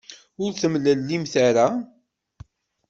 Ur temlellimt ara.